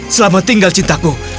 selama tinggal cintaku